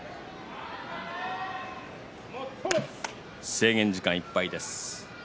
制限時間いっぱいです。